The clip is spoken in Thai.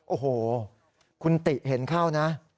โอ้โหคุณติเห็นเข้านะ